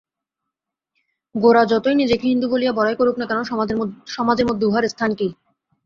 গোরা যতই নিজেকে হিন্দু বলিয়া বড়াই করুক-না কেন, সমাজের মধ্যে উহার স্থান কী!